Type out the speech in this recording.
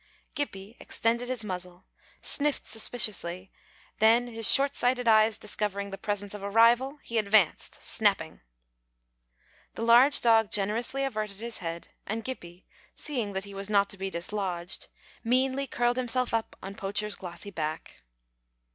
Gippie extended his muzzle, sniffed suspiciously, then his short sighted eyes discovering the presence of a rival, he advanced snapping. The large dog generously averted his head, and Gippie, seeing that he was not to be dislodged, meanly curled himself up on Poacher's glossy back.